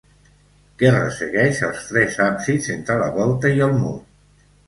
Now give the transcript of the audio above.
Què ressegueix els tres absis entre la volta i el mur?